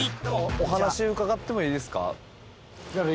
お話伺ってもいいですか？